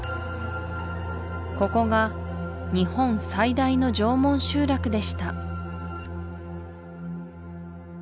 ここが日本最大の縄文集落でした